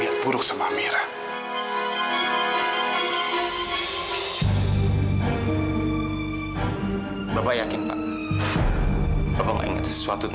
dan udah sejak lama aku ngerasain hal itu